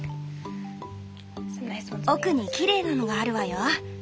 奥にきれいなのがあるわよ。